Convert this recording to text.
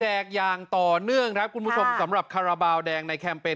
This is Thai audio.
อย่างต่อเนื่องครับคุณผู้ชมสำหรับคาราบาลแดงในแคมเปญ